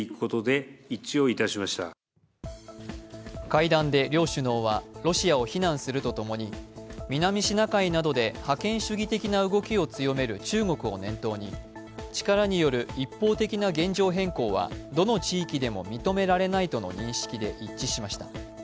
会談で両首脳はロシアを非難するとともに南シナ海などで覇権主義的な動きを強める中国を念頭に力による一方的な現状変更はどの地域でも認められないとの認識で一致しました。